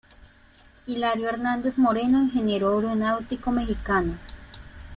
Hilario Hernández Moreno, ingeniero aeronáutico mexicano